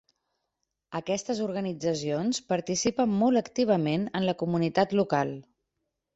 Aquestes organitzacions participen molt activament en la comunitat local.